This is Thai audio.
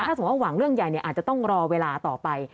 ถ้าสมมุติหวังเรื่องใหญ่อาจจะต้องรอเวลาต่อไป